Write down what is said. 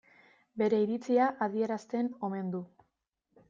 Bere iritzia adierazten omen du.